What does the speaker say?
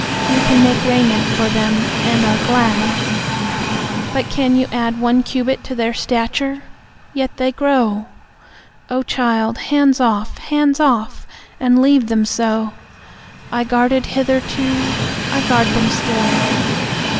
You can make raiment for them, and are glad, But can you add One cubit to their stature? Yet they grow! Oh, child, hands off! Hands off! And leave them so. I guarded hitherto, I guard them still.